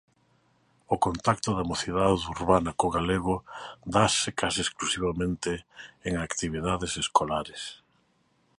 O contacto da mocidade urbana co galego dáse case exclusivamente en actividades escolares.